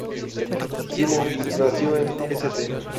Simmons nació en St.